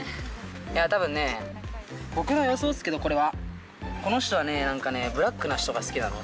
いや、たぶんね、僕の予想ですけど、これは、この人はね、なんかね、ブラックな人が好きなの。